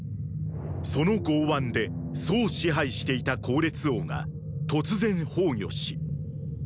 その豪腕で楚を支配していた考烈王が突然崩御しーー。